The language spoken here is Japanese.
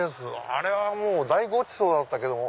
あれは大ごちそうだったけども。